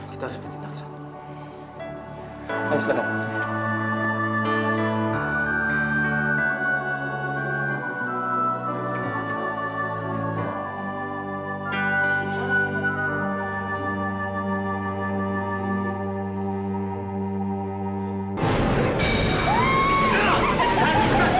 kita harus berhenti nahasan